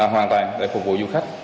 hoàn toàn để phục vụ du khách